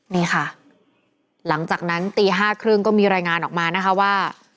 นี่ค่ะหลังจากนั้นตี๕๓๐ก็มีรายงานออกมานะคะว่า